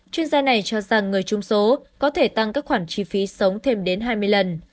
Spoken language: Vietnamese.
chuyên gia này cho rằng người trung số có thể tăng các khoản chi phí sống thêm đến hai mươi lần